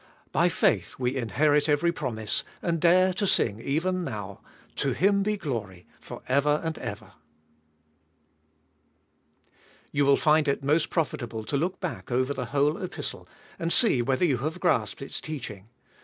By faith we inherit every promise, and dare to sing even now : To Him be glory for ever and ever ! 1. You will find it most profitable to looh bach over the whole Epistle, and see whether you have grasped its teaching.